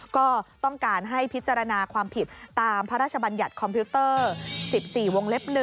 ก็ต้องการให้พิจารณาความผิดตามพระราชบัญญัติคอมพิวเตอร์๑๔วงเล็บ๑